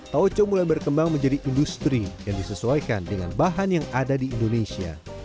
taoco mulai berkembang menjadi industri yang disesuaikan dengan bahan yang ada di indonesia